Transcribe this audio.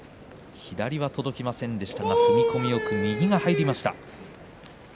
左は届きませんでしたが踏み込みよく右が入りました。